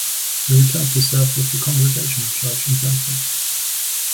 He returned to serve with the Congregational Church in Brantford.